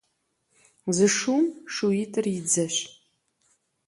Зы шум шууитӀыр и дзэщ.